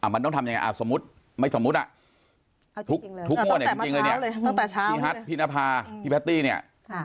มันต้องทำยังไงสมมุติทุกงวดเนี่ยพี่ฮัทพี่นภาพี่แพทตี้เนี่ย